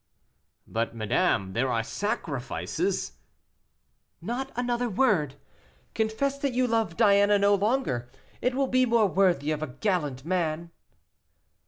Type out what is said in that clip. "But, madame, there are sacrifices " "Not another word. Confess that you love Diana no longer; it will be more worthy of a gallant man."